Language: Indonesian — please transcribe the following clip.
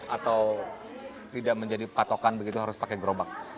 atau tidak menjadi patokan begitu harus pakai gerobak